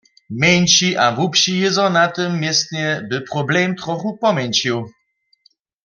Mjeńši a hłubši jězor na tym městnje by problem trochu pomjeńšił.